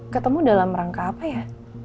ketemu dalam rangka apa ya